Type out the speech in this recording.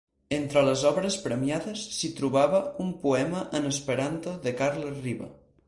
Entre les obres premiades, s'hi trobava un poema en esperanto de Carles Riba.